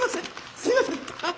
すいませんッ！